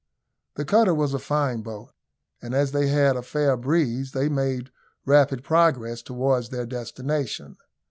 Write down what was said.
The cutter was a fine boat; and as they had a fair breeze they made rapid progress towards their destination.